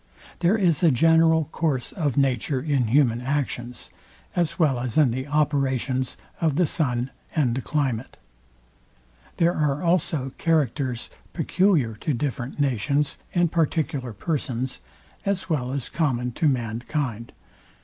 There is a general course of nature in human actions, as well as in the operations of the sun and the climate. There are also characters peculiar to different nations and particular persons, as well as common to mankind.